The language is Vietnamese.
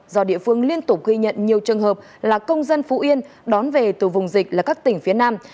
do địa phương liên tục ghi nhận nhiều trường hợp là công dân phú yên đón về từ vùng dịch là các tỉnh phía nam